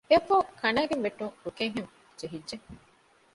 އެއަށްފަހު ކަނައިގެން ވެއްޓުނު ރުކެއްހެން ޖެހިއްޖެ